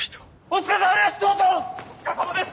お疲れさまです！